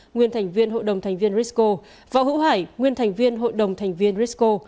nguyên thành viên hội đồng thành viên risco võ hữu hải nguyên thành viên hội đồng thành viên risco